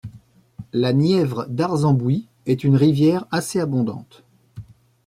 La Nièvre d'Arzembouy est une rivière assez abondante.